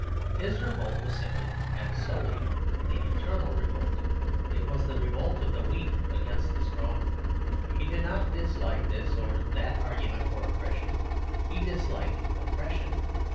His revolt was simply and solely the eternal revolt; it was the revolt of the weak against the strong. He did not dislike this or that argument for oppression; he disliked oppression.